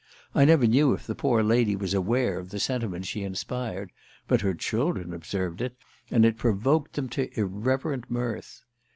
I never knew if the poor lady was aware of the sentiment she inspired, but her children observed it, and it provoked them to irreverent mirth.